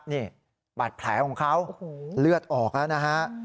นี่บาดแผลของเขาเลือดออกแล้วนะฮะ